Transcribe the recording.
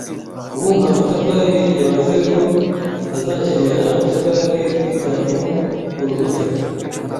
Kubumba amatafari yabaze ko azakenera amatafari itanu kurukuta.